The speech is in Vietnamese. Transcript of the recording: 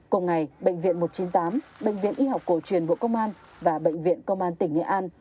cùng ngày bệnh viện một trăm chín mươi tám bệnh viện y học cổ truyền bộ công an và bệnh viện công an tỉnh nghệ an